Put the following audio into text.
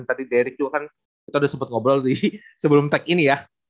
tadi derick juga kan kita udah sempet ngobrol sebelum tag ini ya